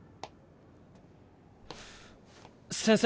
先生。